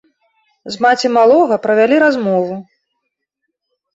З маці малога правялі размову.